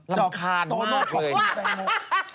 ต้นโมแล้วก็พี่แตงโมจอกโตโน่คลิปแตงโม